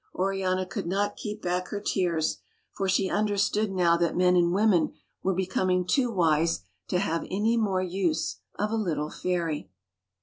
Oriana could not keep back her tears, for she understood now that men and women were becoming too wise to have any more use for a little fairy.